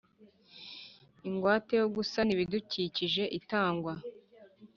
Ingwate yo gusana ibidukikije itangwa